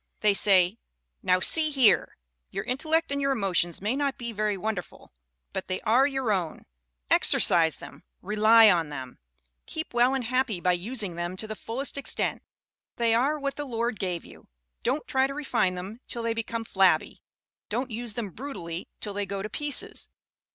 They say: "Now, see here! Your intellect and your emotions may not be very wonderful but they are your own. Exercise them! Rely on them! Keep well and happy by using them to the fullest extent! They are what the Lord gave you. Don't try to refine them till they become flabby. Don't use them brutally till they go to pieces.